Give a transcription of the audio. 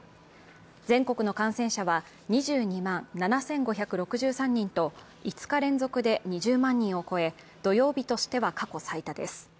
全国の感染者は２２万７５６３人と５日連続で２０万人を超え、土曜日としては過去最多です。